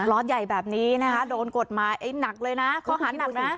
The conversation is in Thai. ล้อใหญ่แบบนี้นะคะโดนกฎหมายไอ้หนักเลยนะข้อหานักนะ